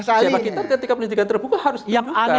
siapa kita ketika penyelidikan terbuka harus ditutupkan